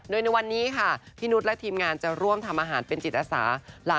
โดยในวันนี้ค่ะพี่นุษย์และทีมงานจะร่วมทำอาหารเป็นจิตอาสา